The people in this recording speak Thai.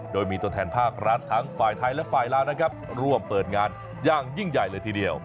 โดยมีตัวแทนภาครัฐทั้งฝ่ายไทยและฝ่ายลาวนะครับร่วมเปิดงานอย่างยิ่งใหญ่เลยทีเดียว